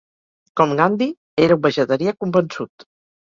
Com Gandhi, era un vegetarià convençut.